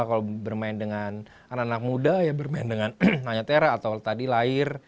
kalau bermain dengan anak anak muda ya bermain dengan nanya tera atau tadi lahir